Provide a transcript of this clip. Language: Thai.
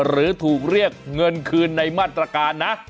หรือถูกเรียกเงินคืนในมาตรการนะ